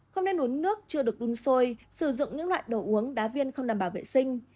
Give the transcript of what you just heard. không nên uống nước chưa được đun sôi sử dụng những loại đồ uống đá viên không đảm bảo vệ sinh